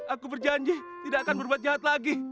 aku berjanji tidak akan berbuat jahat lagi